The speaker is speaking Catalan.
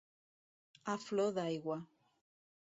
A flor d'aigua.